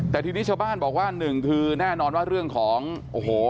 แต่ทีนี้ชาวบ้านบอกว่าหนึ่งคือแน่นอนว่าเรื่องของโอ้โห